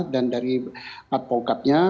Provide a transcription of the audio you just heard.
dan dari advokatnya